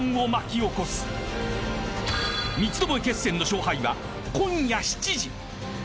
［三つどもえ決戦の勝敗は今夜７時］